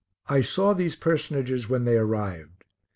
I saw these personages when they arrived.